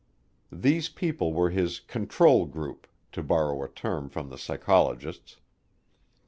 These people were his "control group," to borrow a term from the psychologists.